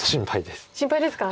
心配ですか？